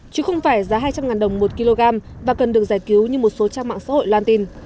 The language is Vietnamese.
chứ không phải giá hai trăm linh đồng một kg và cần được giải cứu như một số trang mạng xã hội loan tin